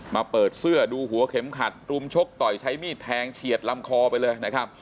มาเปิดเสื้อดูหัวเข็มขัดรุมชกต่อยใช้มีดแทงเฉียดลำคอไปเลยนะครับ